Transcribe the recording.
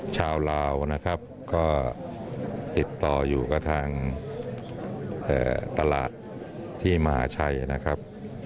ชาวลาวนะครับก็ติดต่ออยู่กับทางตลาดที่มหาชัยนะครับ